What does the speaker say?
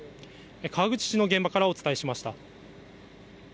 川口市の現場からお伝えしました。